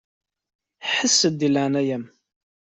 Ḥess-d di leɛnaya-m.